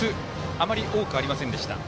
あまり多くありませんでした。